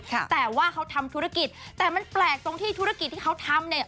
แต่ว่าเขาทำธุรกิจแต่มันแปลกตรงที่ธุรกิจที่เขาทำเนี่ย